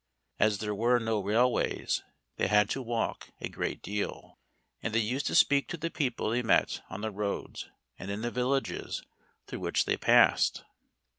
As there were no railways they had to walk a great deal, and they used to speak to the people they met on the roads and in the villages through which they passed.